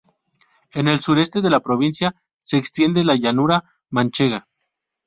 En el sureste de la provincia se extiende la llanura manchega.